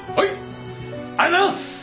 ありがとうございます。